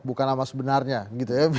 bukan nama sebenarnya gitu ya